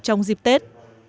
trong dịp tết